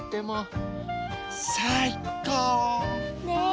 ねえ。